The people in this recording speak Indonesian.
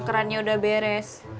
kerannya udah beres